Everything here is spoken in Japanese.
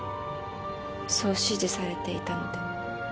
そう指示されていたので。